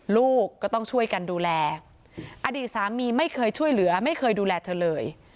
ลูกก็ต้องช่วยกันดูแลอดีตสามีไม่เคยช่วยเหลือไม่เคยดูแลเธอเลย